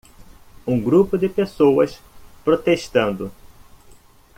Um grupo de pessoas protestando.